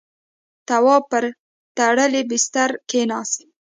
تواب پر تړلی بسترې کېناست.